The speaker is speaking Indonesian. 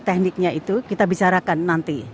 tekniknya itu kita bicarakan nanti